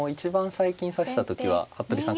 最近指した時は服部さん